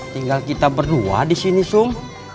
tinggal kita berdua disini sum